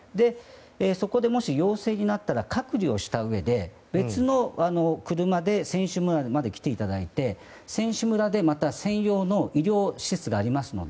そこで、もし陽性になったら隔離をしたうえで別の車で選手村まで来ていただいて選手村に専用の医療施設がありますので。